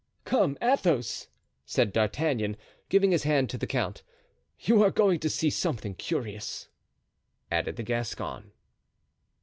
"Come, Athos!" said D'Artagnan, giving his hand to the count; "you are going to see something curious," added the Gascon.